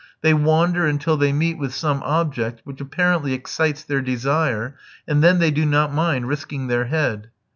They wander until they meet with some object which apparently excites their desire, and then they do not mind risking their head.